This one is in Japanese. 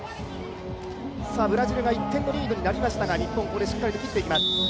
ブラジルが１点リードになりましたが、日本、しっかりと打っていきます。